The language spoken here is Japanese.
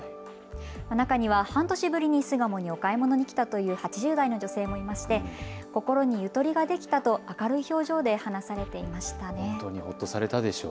中には半年ぶりに巣鴨にお買い物に来たという８０代の女性もいまして、心にゆとりができたと明るい表情で話されていました。